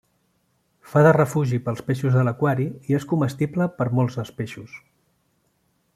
Fa de refugi pels peixos de l'aquari i és comestible per molts dels peixos.